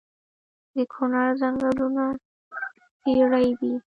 د کونړ ځنګلونه څیړۍ دي